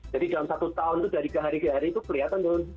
jadi dalam satu tahun itu dari ke hari ke hari itu kelihatan tuh